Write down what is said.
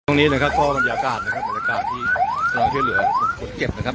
ตรงนี้นะครับข้อบรรยากาศนะครับบรรยากาศที่เหลือเก็บนะครับ